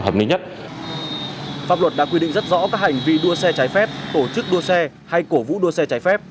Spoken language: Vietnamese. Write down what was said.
pháp luật đã quy định rất rõ các hành vi đua xe trái phép tổ chức đua xe hay cổ vũ đua xe trái phép